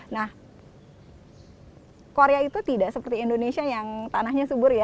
nah korea itu tidak seperti indonesia yang tanahnya subur ya